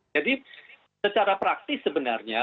jadi secara praktis sebenarnya